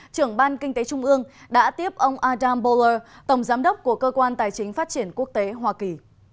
trưởng ban kinh tế trung ương đã tiếp ông adam bower tổng giám đốc của cơ quan tài chính phát triển quốc tế hoa kỳ